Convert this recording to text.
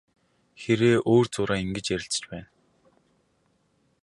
Хэрээ өөр зуураа ингэж ярилцаж байна.